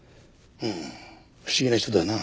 うん不思議な人だな。